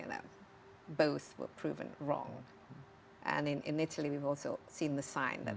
untuk memberikan pendidikan yang lebih baik